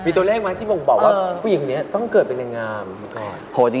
มีตัวเลขไหมที่บ่งบอกว่าผู้หญิงคนนี้ต้องเกิดเป็นนางงาม